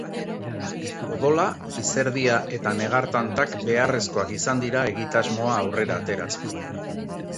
Odola, izerdia eta negar-tantak beharrezkoak izan dira egitasmoa aurrera ateratzeko.